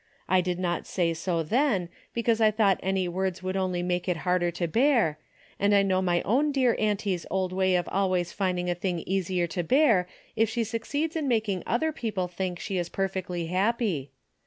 I did not say so then because I thought any Avords Avould only make it harder to bear, and I know my oAvn dear auntie's old Avay of always finding a thing easier to bear if she succeeds in making other people think she is perfectly happy.